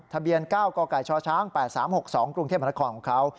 ทะเบียน๙กกชช๘๓๖๒กรุงเทพมนครของเขา